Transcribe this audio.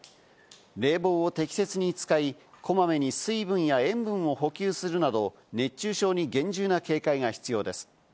冷房を適切に使い、こまめに水分や塩分を補給するなど熱中症に厳重な警戒が必要です。